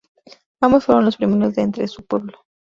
Ambos fueron los primeros de entre su pueblo.